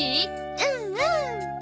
うんうん。